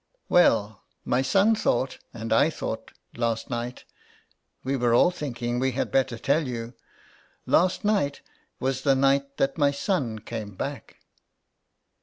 "" Well, my son thought and I thought last night —• we were all thinking we had better tell you — last night was the night that my son came back."